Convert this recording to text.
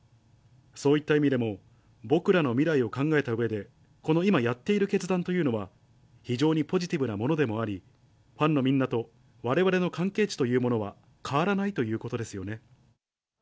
そういった意味でも、僕らの未来を考えたうえで、この今やっている決断というのは、非常にポジティブなものでもあり、ファンのみんなとわれわれの関係値というものは変わらないということですよね。